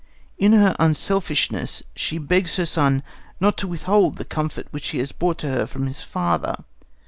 In her unselfishness, she begs her son not to withhold the comfort which he has brought to her from his father.